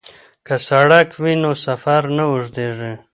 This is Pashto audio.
که سړک وي نو سفر نه اوږدیږي.